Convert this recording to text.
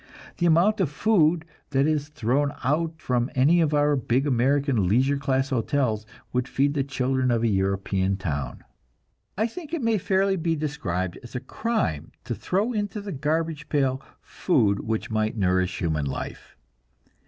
The amount of food that is thrown out from any one of our big American leisure class hotels would feed the children of a European town. I think it may fairly be described as a crime to throw into the garbage pail food which might nourish human life.